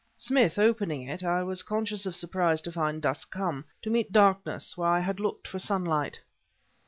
Smith opening it, I was conscious of surprise to find dusk come to meet darkness where I had looked for sunlight.